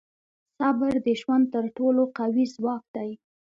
• صبر د ژوند تر ټولو قوي ځواک دی.